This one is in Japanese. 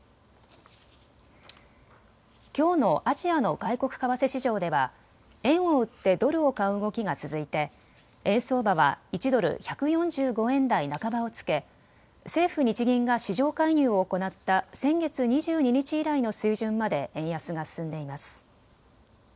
きょうのアジアの外国為替市場では円を売ってドルを買う動きが続いて円相場は１ドル１４５円台半ばをつけ政府・日銀が市場介入を行った先月２２日以来の水準まで円安が進んでいます。